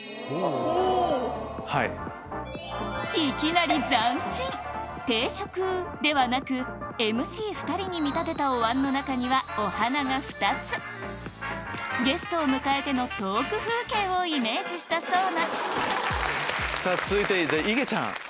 いきなり斬新！定食ではなくＭＣ２人に見立てたおわんの中にはお花が２つゲストを迎えてのトーク風景をイメージしたそうなさぁ続いていげちゃん。